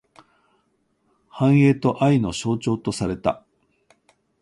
繁栄と愛の象徴とされた。